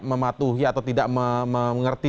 mematuhi atau tidak mengerti